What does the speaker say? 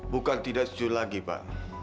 bukan tidak setuju lagi pak